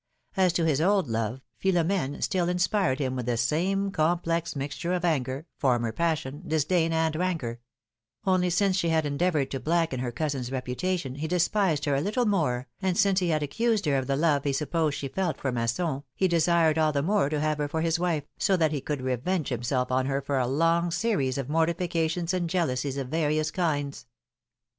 As to his old love, Philomene still inspired him with the same complex mixture of anger, former passion, disdain and rancor; only since she had endeavored to blacken her cousin's reputation, he despised her a little more, and since he had accused her of the love he sup posed she felt for Masson, he desired all the more to have her for his wife, so that he could revenge himself on her for a long series of mortifications and jealousies of various kinds.